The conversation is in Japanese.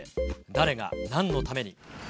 誰がなんのために？